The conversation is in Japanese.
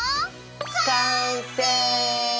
完成！